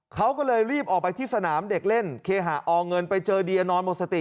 เขาก็เลยรีบออกไปที่สนามเด็กเล่นเคหะอเงินไปเจอเดียนอนหมดสติ